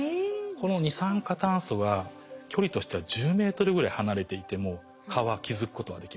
この二酸化炭素は距離としては１０ｍぐらい離れていても蚊は気付くことができます。